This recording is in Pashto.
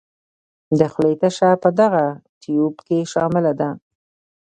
د خولې تشه په دغه تیوپ کې شامله ده.